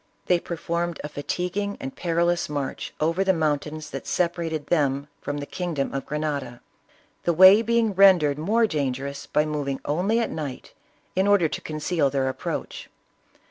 They per formed a fatiguing and perilous march over the moun tains that separated them from the kingdom of Grenada, the way being rendered more dangerous by moving only at night in order to conceal their approach.